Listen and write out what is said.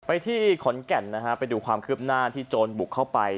ที่ขอนแก่นนะฮะไปดูความคืบหน้าที่โจรบุกเข้าไป